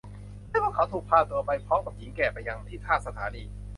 ให้พวกเขาถูกพาตัวไปพร้อมกับหญิงแก่ไปยังที่ท่าสถานี